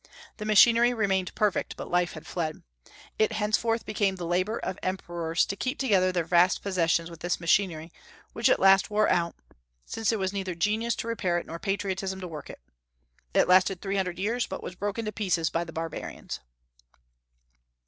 The machinery remained perfect, but life had fled. It henceforth became the labor of Emperors to keep together their vast possessions with this machinery, which at last wore out, since there was neither genius to repair it nor patriotism to work it. It lasted three hundred years, but was broken to pieces by the barbarians.